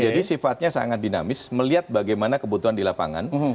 jadi sifatnya sangat dinamis melihat bagaimana kebutuhan di lapangan